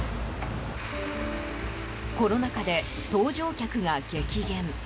コロナ禍で搭乗客が激減。